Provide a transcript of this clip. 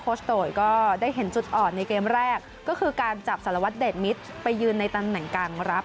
ชโตยก็ได้เห็นจุดอ่อนในเกมแรกก็คือการจับสารวัตรเดชมิตรไปยืนในตำแหน่งกลางรับ